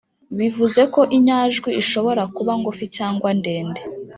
bivuze ko inyajwi ishobora kuba ngufi cyangwa ndende.